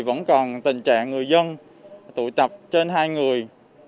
vẫn còn tình trạng người dân tụ tập trên hai người